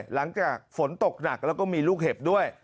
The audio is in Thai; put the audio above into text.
หลังจากฝนตกหนักแล้วก็มีลูกเห็บด้วย